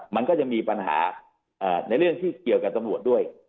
มันก็จะมีปัญหาในเรื่องที่เกี่ยวกับตำรวจด้วย